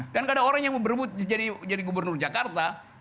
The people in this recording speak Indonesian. gak ada orang yang mau berebut jadi gubernur jakarta